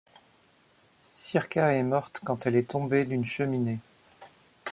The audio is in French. Sirkka est morte quand elle est tombée d'une cheminée.